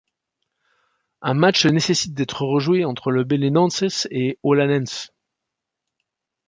Un match nécessite d'être rejoué, entre le Belenenses et Olhanense.